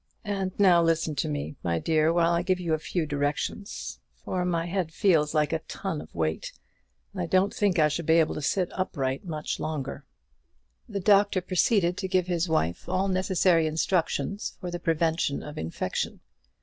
And now listen to me, my dear, while I give you a few directions; for my head feels like a ton weight, and I don't think I shall be able to sit upright much longer." The doctor proceeded to give his wife all necessary instructions for the prevention of infection.